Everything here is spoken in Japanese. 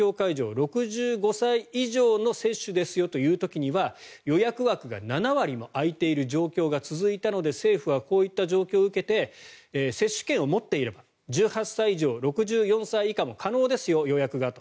６５歳以上の接種ですよという時には予約枠が７割も空いている状況が続いたので政府はこういった状況を受けて接種券を持っていれば１８歳以上６４歳以下も予約が可能ですよと。